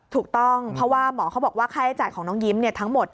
ถูกต้องเพราะว่าหมอเขาบอกว่าค่าใช้จ่ายของน้องยิ้มทั้งหมด